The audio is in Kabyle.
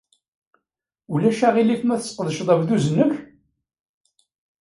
Ulac aɣilif ma sqedceɣ abduz-nnek?